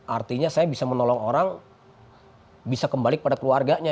artinya saya bisa menolong orang bisa kembali kepada keluarganya